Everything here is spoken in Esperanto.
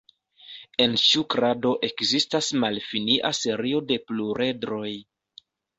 En ĉiu krado ekzistas malfinia serio de pluredroj.